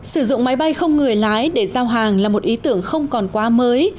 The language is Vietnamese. sử dụng máy bay không người lái để giao hàng là một ý tưởng không còn quá mới